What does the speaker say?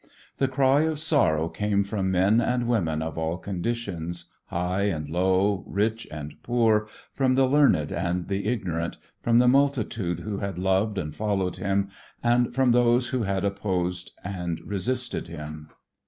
The cry of sorrow came from men and women of all conditions, high and low, rich and poor, from the learned and the ignorant, from the multitude who had loved and followed him, and from those who had opposed and resisted him.